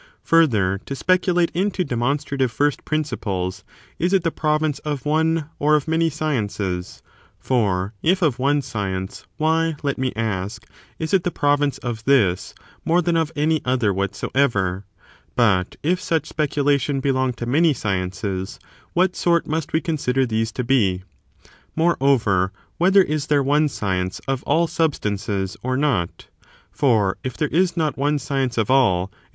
Further, to speculate into demonstrative first principles, is it the province of one or of many sciences ] for if of one science, why, let me ask, is it the province of this more than of any other whatsoever ? but if such speculation belong to many sciences, what sort must we consider these to be ? Moreover, whether is there one science of all sub stances,^ or not 1 for if there is not one science of all, it \v